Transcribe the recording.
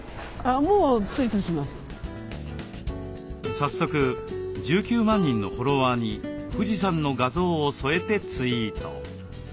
早速１９万人のフォロワーに富士山の画像を添えてツイート。